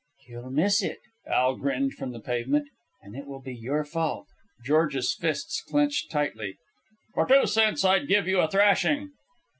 "You'll miss it," Al grinned from the pavement. "And it will be your fault." George's fists clenched tightly. "For two cents I'd give you a thrashing."